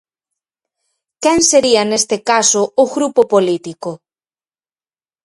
Quen sería neste caso o grupo político?